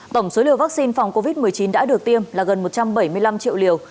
tổng số liều vaccine phòng covid một mươi chín đã được tiêm là gần một trăm bảy mươi năm triệu liều